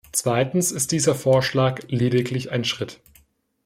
Zweitens ist dieser Vorschlag lediglich ein Schritt.